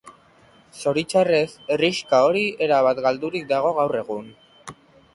Zoritxarrez, herrixka hori erabat galdurik dago gaur egun.